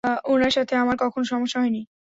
উনার সাথে আমার কখনও সমস্যা হয়নি।